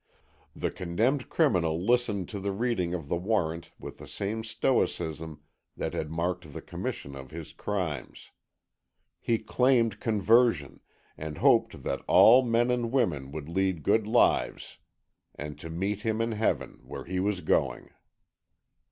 The condemned criminal listened to the reading of the warrant with the same stoicism that had marked the commission of his crimes. He claimed conversion, and hoped that "all men and women would lead good lives and to meet him in heaven, where he was going."